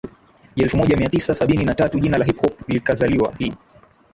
ya elfu moja mia tisa sabini na tatu jina la Hip Hop likazaliwa Hii